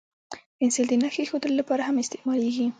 پنسل د نښې اېښودلو لپاره هم استعمالېږي.